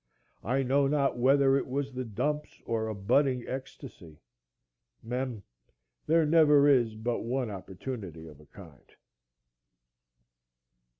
I know not whether it was the dumps or a budding ecstasy. Mem. There never is but one opportunity of a kind.